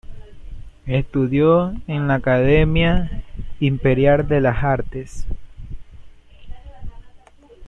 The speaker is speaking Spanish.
Estudió en la Academia Imperial de las Artes.